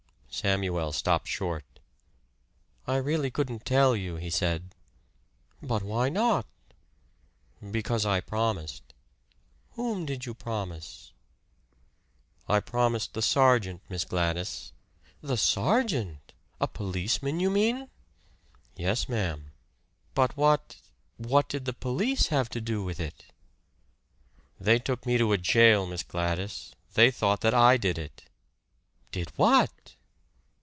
Samuel stopped short. "I really couldn't tell you," he said. "But why not?" "Because I promised." "Whom did you promise?" "I promised the sergeant, Miss Gladys." "The sergeant! A policeman, you mean?" "Yes, ma'am." "But what what did the police have to do with it?" "They took me to jail, Miss Gladys. They thought that I did it." "Did what?"